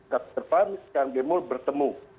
ke depan kang emil bertemu